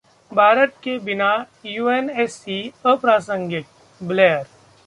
भारत के बिना यूएनएससी अप्रासंगिक: ब्लेयर